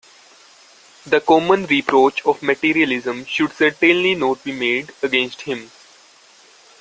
The common reproach of materialism should certainly not be made against him.